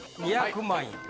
２００万円。